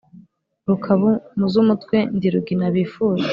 Rukabu mu z' umutwe ndi Rugina bifuza